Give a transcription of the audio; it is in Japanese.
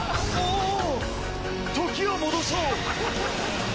時を戻そう！